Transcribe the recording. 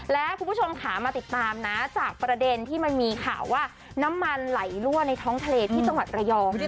และคุณผู้ชมค่ะมาติดตามนะจากประเด็นที่มันมีข่าวว่าน้ำมันไหลลั่วในท้องทะเลที่จังหวัดระยอง